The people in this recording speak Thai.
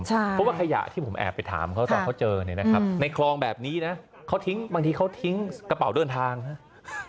เพราะว่าขยะที่ผมแอบไปถามเขาตอนเขาเจอเนี่ยนะครับในคลองแบบนี้นะเขาทิ้งบางทีเขาทิ้งกระเป๋าเดินทางครับ